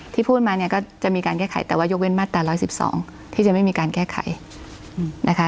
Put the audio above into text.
พูดมาเนี่ยก็จะมีการแก้ไขแต่ว่ายกเว้นมาตรา๑๑๒ที่จะไม่มีการแก้ไขนะคะ